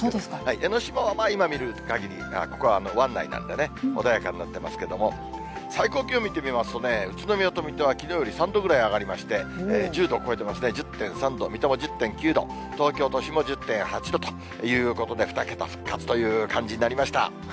江の島は、今見るかぎり、ここは湾内なんで、穏やかになってますけども、最高気温見てみますとね、宇都宮と水戸はきのうより３度くらい上がりまして、１０度を超えてますね、１０．３度、水戸も１０．９度、東京都心も１０．８度ということで、２桁復活という感じになりました。